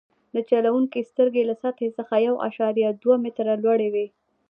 د چلوونکي سترګې له سطحې څخه یو اعشاریه دوه متره لوړې وي